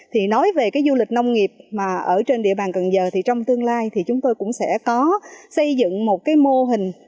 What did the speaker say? thì nói về cái du lịch nông nghiệp mà ở trên địa bàn cần giờ thì trong tương lai thì chúng tôi cũng sẽ có xây dựng một cái mô hình